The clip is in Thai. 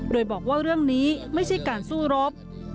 โดยบอกว่าเรื่องนี้ไม่ใช่การสู้รบ